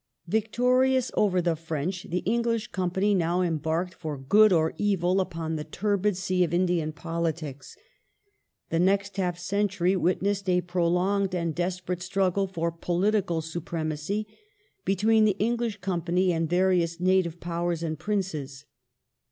Victorious over the French, the English Company now embarked, Contest for good or evil, upon the turbid sea of Indian politics. The next ^^J^^ ^.^^„ half century witnessed a prolonged and desperate struggle for Powers political supremacy between the English Company and various ^ ^757 " Native" Powers and Princes.